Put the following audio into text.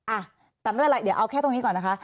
อ่ะแต่ไม่เป็นไรเดี๋ยวเอาแค่ตรงนี้ก่อนนะคะ